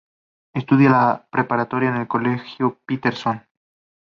Estudia la preparatoria en Colegio Peterson.